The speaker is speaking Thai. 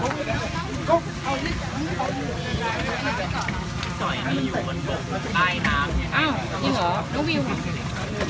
น้องวิวมาทำงานหรอที่นอนอยู่อีกคุณหนึ่ง